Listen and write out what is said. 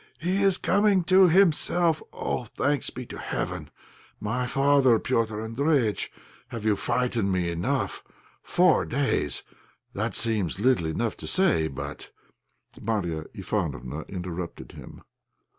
he is coming to himself! Oh! thanks be to heaven! My father Petr' Andréjïtch, have you frightened me enough? Four days! That seems little enough to say, but " Marya Ivánofna interrupted him.